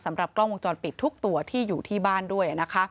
สำหรับกล้องวงจรปิดทุกตัวที่อยู่ที่บ้านด้วย